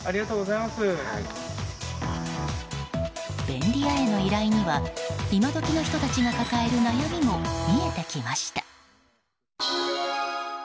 便利屋への依頼には今時の人たちが抱える悩みも見えてきました。